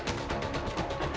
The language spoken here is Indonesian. terima kasih gus